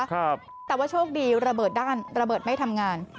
แต่ว่าโชคดีระเบิดด้านระเบิดไม่ทำงาน